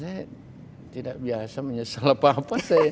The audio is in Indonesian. saya tidak biasa menyesal apa apa